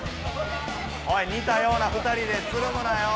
おいにたような２人でつるむなよ！